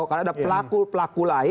karena ada pelaku pelaku lain